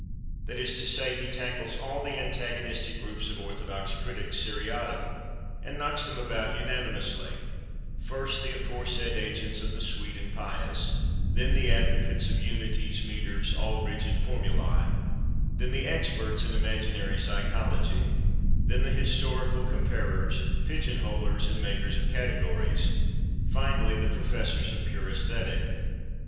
That is to say, he tackles all the antagonistic groups of orthodox critics seriatim, and knocks them about unanimously—first the aforesaid agents of the sweet and pious; then the advocates of unities, meters, all rigid formulæ; then the experts in imaginary psychology; then the historical comparers, pigeonholers and makers of categories; finally, the professors of pure æsthetic.